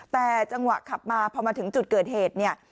แต่จังหวะขับมาพอมาถึงจุดเกิดเหตุเนี่ย